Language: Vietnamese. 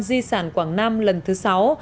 di sản quảng nam lần thứ sáu